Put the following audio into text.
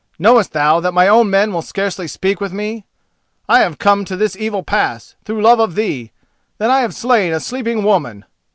Knowest thou that my own men will scarcely speak with me? I have come to this evil pass, through love of thee, that I have slain a sleeping woman!"